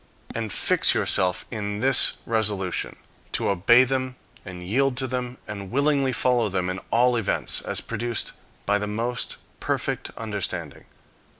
And fix yourself in this resolution, to obey them, and yield to them, and willingly follow them in all events, as produced by the most perfect understanding.